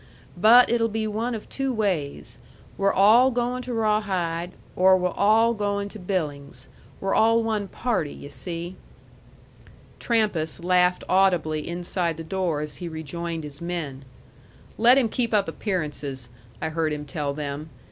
But it'll be one of two ways, we're all goin' to Rawhide, or we're all goin' to Billings. We're all one party, yu' see." Trampas laughed audibly inside the door as he rejoined his men. "Let him keep up appearances," I heard him tell them.